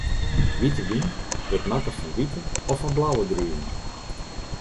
Wite wyn wurdt makke fan wite of fan blauwe druven.